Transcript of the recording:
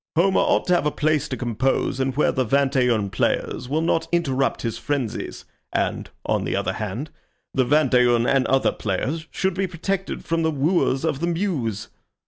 Homer ought to have a place to compose in where the vingt et un players will not interrupt his frenzies, and, on the other hand, the vingt et un and other players should be protected from the wooers of the muse.